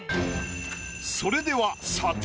それでは査定。